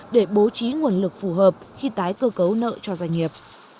để bố trí nguồn lực phù hợp khi tái cơ cấu nợ cho doanh nghiệp